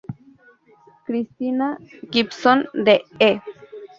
Cristina Gibson de E!